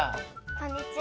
こんにちは。